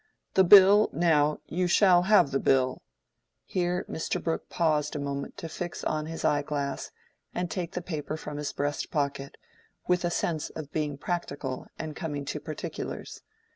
The Bill, now—you shall have the Bill"—here Mr. Brooke paused a moment to fix on his eye glass and take the paper from his breast pocket, with a sense of being practical and coming to particulars.